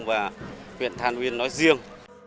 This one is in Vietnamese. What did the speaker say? và huyện than uyên nói riêng